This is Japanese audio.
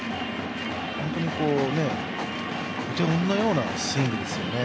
本当に手本のようなスイングですね。